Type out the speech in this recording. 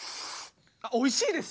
あおいしいです！